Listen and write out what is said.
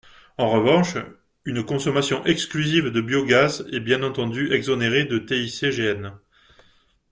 En revanche, une consommation exclusive de biogaz est bien entendu exonérée de TICGN.